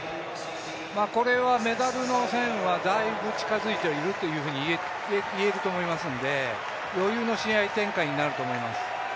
これはメダルの線はだいぶ近づいていると言えると思いますんで余裕の試合展開になると思います。